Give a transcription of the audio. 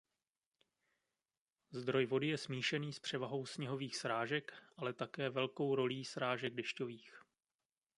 Zdroj vody je smíšený s převahou sněhových srážek ale také velkou rolí srážek dešťových.